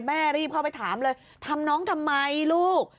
รีบเข้าไปถามเลยทำน้องทำไมลูก